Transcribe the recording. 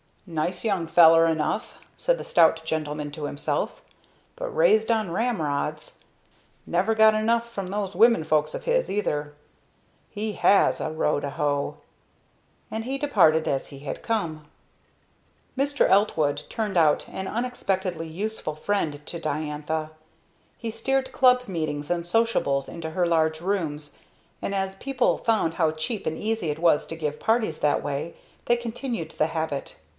"Nice young feller enough," said the stout gentleman to himself, "but raised on ramrods. Never got 'em from those women folks of his, either. He has a row to hoe!" And he departed as he had come. Mr. Eltwood turned out an unexpectedly useful friend to Diantha. He steered club meetings and "sociables" into her large rooms, and as people found how cheap and easy it was to give parties that way, they continued the habit.